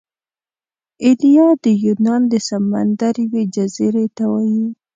ایلیا د یونان د سمندر یوې جزیرې ته وايي.